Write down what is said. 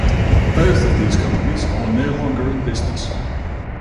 Both of these companies are no longer in business.